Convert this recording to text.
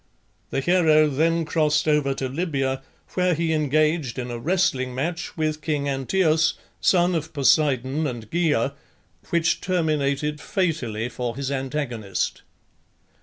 The hero then crossed over to Libya, where he engaged in a wrestling match with king Anteos, son of Poseidon and Gaea, which terminated fatally for his antagonist.